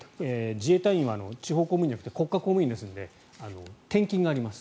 自衛隊員は地方公務員じゃなくて国家公務員ですので転勤があります。